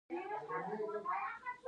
پنبه په هلمند کې کیږي